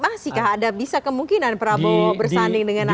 masihkah ada bisa kemungkinan prabowo bersanding dengan anies